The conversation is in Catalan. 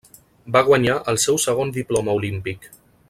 Va guanyar el seu segon Diploma Olímpic.